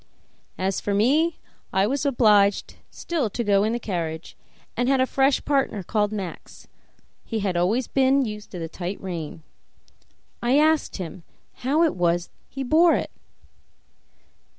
As for me, I was obliged still to go in the carriage, and had a fresh partner called Max; he had always been used to the tight rein. I asked him how it was he bore it.